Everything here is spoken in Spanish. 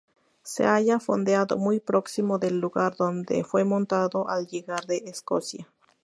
Se halla fondeado muy próximo del lugar donde fue montado al llegar de Escocia.